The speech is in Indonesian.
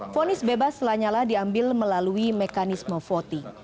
fonis bebas lanyala diambil melalui mekanisme voting